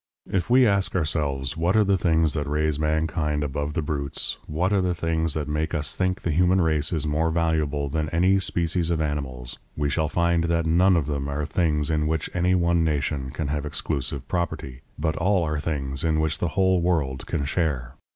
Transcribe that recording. If we ask ourselves what are the things that raise mankind above the brutes, what are the things that make us think the human race more valuable than any species of animals, we shall find that none of them are things in which any one nation can have exclusive property, but all are things in which the whole world can share.